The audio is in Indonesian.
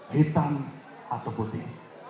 hitam atau putih